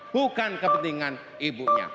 bukan kepentingan ibunya